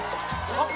あっ！